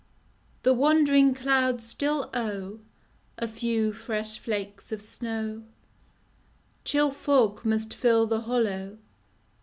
The wandering clouds still owe A few fresh flakes of snow, Chill fog must fill the hollow.